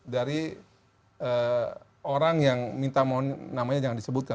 dari orang yang minta mohon namanya jangan disebutkan